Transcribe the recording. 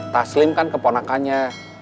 taslim kan keponakannya